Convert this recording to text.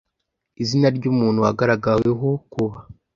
izina ry umuntu wagaragaweho kuba